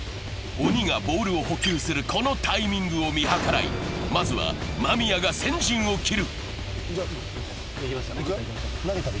鬼がボールを補給するこのタイミングを見計らいまずは間宮が先陣を切る。